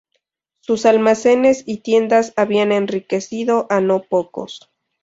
Sus almacenes y tiendas habían enriquecido a no pocos.